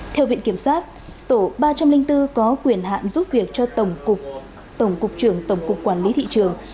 theo viện kiểm sát tổ ba trăm linh bốn có quyền hạn giúp việc cho tổng cục trưởng tổng cục quản lý thị trường